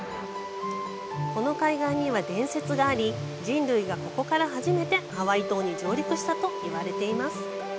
この海岸には伝説があり人類がここから初めてハワイ島に上陸したといわれています。